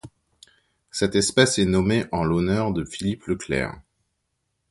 Cette espèce est nommée en l'honneur de Philippe Leclerc.